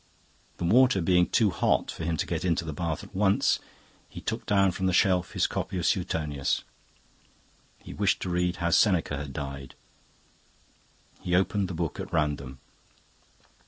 The water being too hot for him to get into the bath at once, he took down from the shelf his copy of Suetonius. He wished to read how Seneca had died. He opened the book at random.